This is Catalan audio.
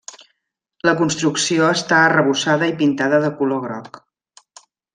La construcció està arrebossada i pintada de color groc.